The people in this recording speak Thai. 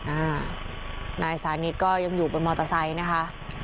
อ่านายสานิทก็ยังอยู่บนมอเตอร์ไซค์นะคะ